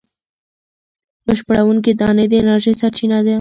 بشپړوونکې دانې د انرژۍ سرچینه دي.